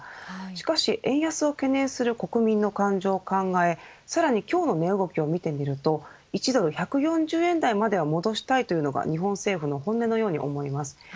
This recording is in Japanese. しかし円安を懸念する国民の感情を考えさらに今日の値動きを見てみると１ドル１４０円台までは戻したいというのが日本政府の本音のように思います。